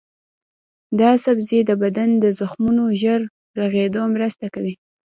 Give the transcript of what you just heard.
دا سبزی د بدن د زخمونو ژر رغیدو کې مرسته کوي.